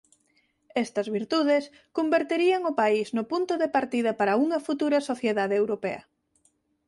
Estas virtudes converterían o país no punto de partida para unha futura sociedade europea.